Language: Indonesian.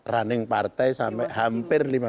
running partai sampai hampir